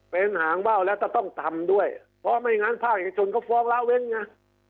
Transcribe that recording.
เป็นหางว่าวแล้วก็ต้องทำด้วยเพราะไม่งั้นภาคเอกชนเขาฟ้องละเว้นไง